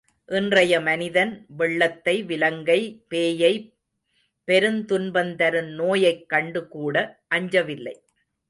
இன்றைய மனிதன் வெள்ளத்தை விலங்கை பேயை பெருந்துன்பந்தரும் நோயைக் கண்டுகூட அஞ்சவில்லை.